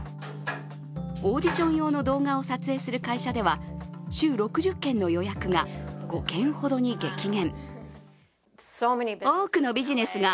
オーディション用の動画を撮影する会社では週６０件の予約が５件ほどに激減。